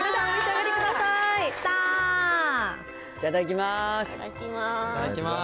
いただきます。